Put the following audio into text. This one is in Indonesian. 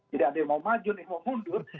jadi ada yang mau maju ada yang mau mundur